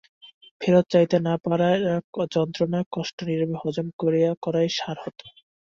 ফেরত চাইতে না পারার যন্ত্রণা কষ্ট নীরবে হজম করাই সার হতো।